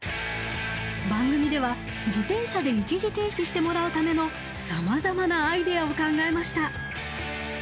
番組では自転車で一時停止してもらうためのさまざまなアイデアを考えました。